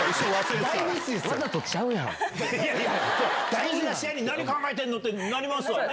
大事な試合に何考えてんの⁉ってなりますね。